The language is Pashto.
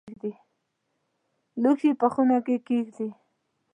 لوښي په خونه کې کښېږدئ